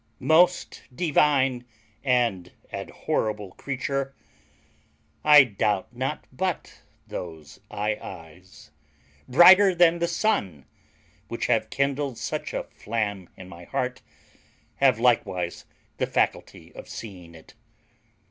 "MOST DIVINE and ADWHORABLE CREETURE, I doubt not but those IIs, briter than the son, which have kindled such a flam in my hart, have likewise the faculty of seeing it.